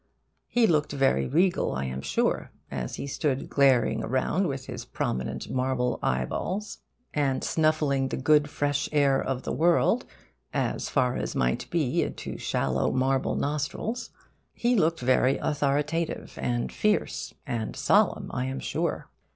He looked very regal, I am sure, as he stood glaring around with his prominent marble eyeballs, and snuffing the good fresh air of the world as far as might be into shallow marble nostrils. He looked very authoritative and fierce and solemn, I am sure.